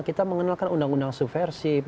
kita mengenalkan undang undang subversif